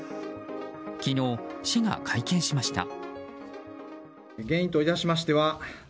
昨日、市が会見しました。